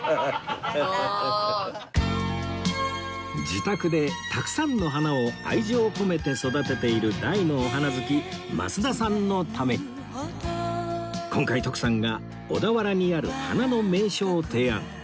自宅でたくさんの花を愛情込めて育てている大のお花好き増田さんのために今回徳さんが小田原にある花の名所を提案